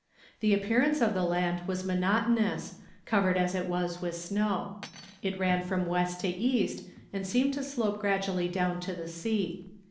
The appearance of the land was monotonous, covered as it was with snow. It ran from west to east, and seemed to slope gradually down to the sea.